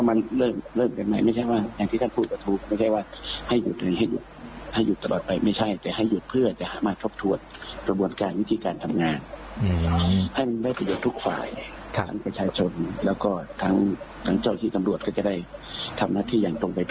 มันไม่ใช่ได้เฉพาะประชาชนเจ้าหน้าที่สำรวจด้วย